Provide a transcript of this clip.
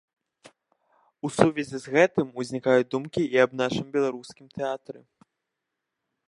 У сувязі з гэтым узнікаюць думкі і аб нашым беларускім тэатры.